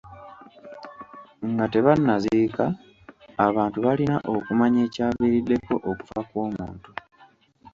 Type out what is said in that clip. Nga tebannaziika, abantu balina okumanya ekyaviiriddeko okufa kw'omuntu.